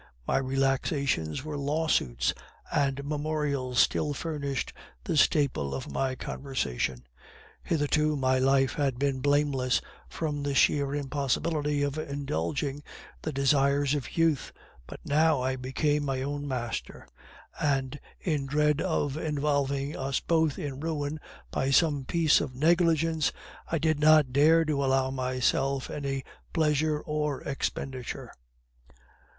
My relaxations were lawsuits, and memorials still furnished the staple of my conversation. Hitherto my life had been blameless, from the sheer impossibility of indulging the desires of youth; but now I became my own master, and in dread of involving us both in ruin by some piece of negligence, I did not dare to allow myself any pleasure or expenditure.